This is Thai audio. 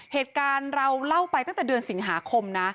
เหตุการณ์เราเล่าไปตั้งแต่เดือนสิงหาคมนะ